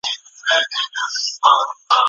مادي عوامل په تخنیکي او اقتصادي شرایطو پوري اړه لري.